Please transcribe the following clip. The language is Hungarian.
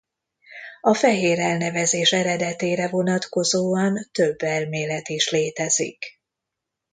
A fehér elnevezés eredetére vonatkozóan több elmélet is létezik.